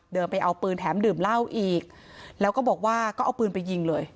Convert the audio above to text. ไปเอาปืนแถมดื่มเหล้าอีกแล้วก็บอกว่าก็เอาปืนไปยิงเลย